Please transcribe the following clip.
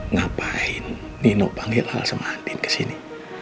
ngapain nino panggil alsa dan andin kesini